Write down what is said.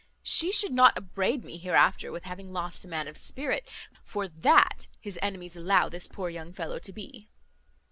She should not upbraid me hereafter with having lost a man of spirit; for that his enemies allow this poor young fellow to be."